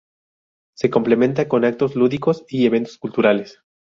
Se complementa con actos lúdicos y eventos culturales.